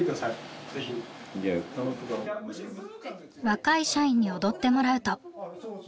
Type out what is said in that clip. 若い社員に踊ってもらうと。